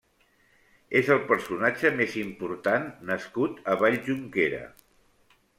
És el personatge més important nascut a Valljunquera.